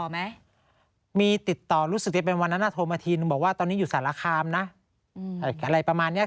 นี่เขามาบ้างไหมคะไม่มาครับ